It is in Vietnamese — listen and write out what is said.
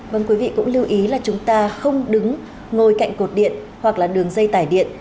vâng quý vị cũng lưu ý là chúng ta không đứng ngồi cạnh cột điện hoặc là đường dây tải điện